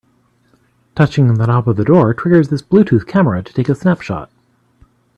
Touching the knob of the door triggers this Bluetooth camera to take a snapshot.